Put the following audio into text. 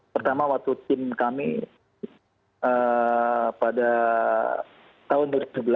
pertama waktu tim kami pada tahun dua ribu tujuh belas